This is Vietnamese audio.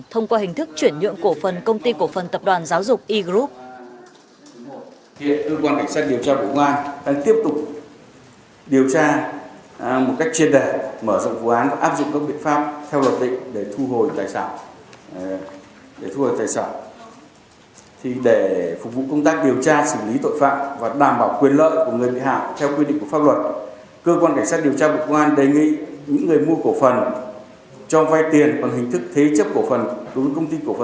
thông qua hình thức chuyển nhượng cổ phần công ty cổ phần tập đoàn giáo dục e group